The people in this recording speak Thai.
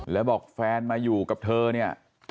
แล้วบอกแฟนมาอยู่กับเธอเนี่ย